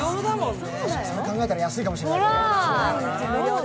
そう考えたら安いかもしんない。